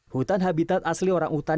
hutan habitat asli orang utan